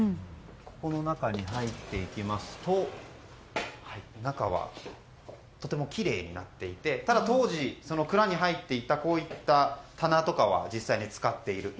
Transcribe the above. この中に入りますと中はとてもきれいになっていてただ、当時蔵に入っていたこういった棚とかは実際に使っている。